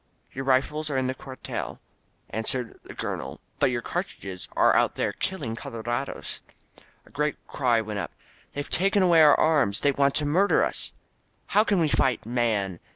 "Your rifles are in the cuartel," answered the Colo Si THE COMING OF THE COLORADOS nel, ^^but your cartridges are out there killing colore^ dosr A great cry went up. They've taken away our arms ! They want to murder us !" "How can we fight, man?